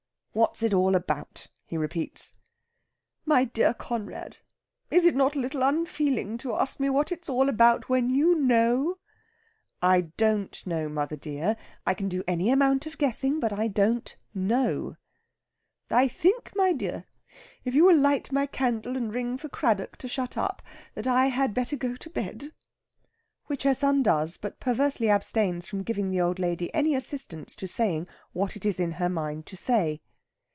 "What's it all about?" he repeats. "My dear Conrad! Is it not a little unfeeling to ask me what it is all about when you know?" "I don't know, mother dear. I can do any amount of guessing, but I don't know." "I think, my dear, if you will light my candle and ring for Craddock to shut up, that I had better go to bed." Which her son does, but perversely abstains from giving the old lady any assistance to saying what is in her mind to say.